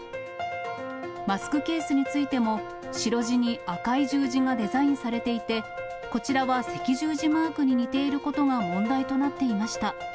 マスクケースについても、白地に赤い十字がデザインされていて、こちらは赤十字マークに似ていることが問題となっていました。